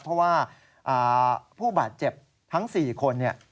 เพราะว่าผู้บาดเจ็บทั้ง๔คน